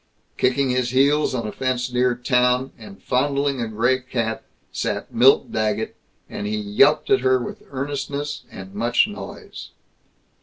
Kicking his heels on a fence near town, and fondling a gray cat, sat Milt Daggett, and he yelped at her with earnestness and much noise.